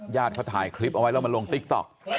เขาถ่ายคลิปเอาไว้แล้วมาลงติ๊กต๊อก